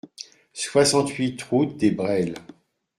soixante-huit route des Brels